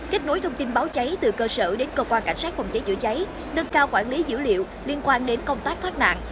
kết nối thông tin báo cháy từ cơ sở đến cơ quan cảnh sát phòng cháy chữa cháy nâng cao quản lý dữ liệu liên quan đến công tác thoát nạn